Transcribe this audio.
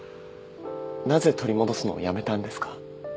なぜ取り戻すのをやめたんですか？